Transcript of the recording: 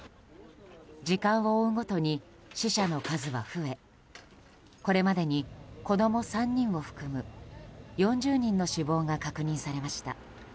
時間を追うごとに死者の数は増えこれまでに子供３人を含む４０人の死亡が確認されました。